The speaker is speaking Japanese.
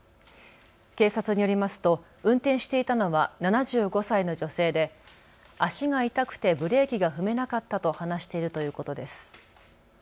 警察によりますと運転していたのは７５歳の女性で足が痛くてブレーキが踏めなかったと話しているということです。